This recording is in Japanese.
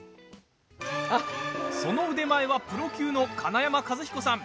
その腕前はプロ級の金山一彦さん。